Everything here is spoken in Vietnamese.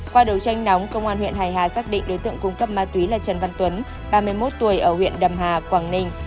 qua đấu tranh nóng công an huyện hải hà xác định đối tượng cung cấp ma túy là trần văn tuấn ba mươi một tuổi ở huyện đầm hà quảng ninh